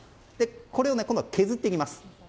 これを今度、削っていきます。